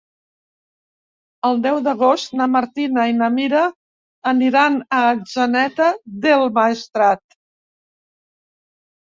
El deu d'agost na Martina i na Mira aniran a Atzeneta del Maestrat.